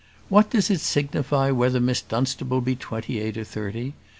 What does it signify whether Miss Dunstable be twenty eight or thirty?